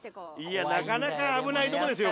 いやなかなか危ないとこですよ